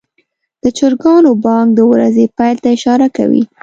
د چرګانو بانګ د ورځې پیل ته اشاره کوي.